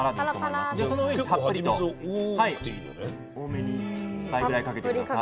その上にたっぷりと多めに倍ぐらいかけて下さい。